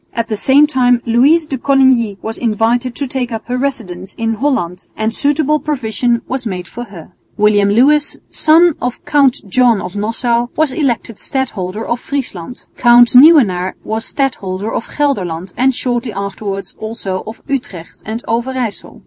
At the same time Louise de Coligny was invited to take up her residence in Holland and suitable provision was made for her. William Lewis, son of Count John of Nassau, was elected Stadholder of Friesland. Count Nieuwenaar was Stadholder of Gelderland and shortly afterwards also of Utrecht and Overyssel.